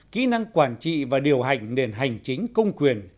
kỹ năng quản trị và điều hành nền hành chính công quyền